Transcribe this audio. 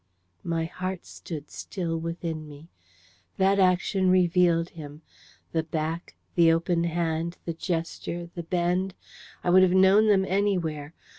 My heart stood still within me. That action revealed him. The back, the open hand, the gesture, the bend I would have known them anywhere.